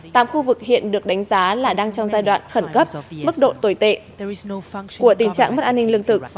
tám khu vực hiện được đánh giá là đang trong giai đoạn khẩn cấp mức độ tồi tệ của tình trạng mất an ninh lương thực